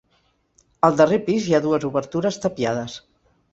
Al darrer pis hi ha dues obertures tapiades.